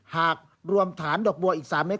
หากรวมฐานดอกบัวอีก๓เม็